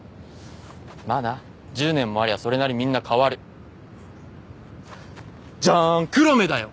まあな１０年もありゃそれなりみんな変わるジャーン黒目だよ